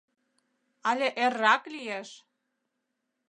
Але эррак лиеш.